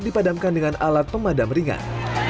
dipadamkan dengan alat pemadam ringan